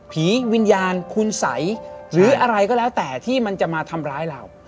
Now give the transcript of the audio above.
วิญญาณคุณสัยหรืออะไรก็แล้วแต่ที่มันจะมาทำร้ายเรา